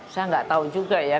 saya gak tau juga ya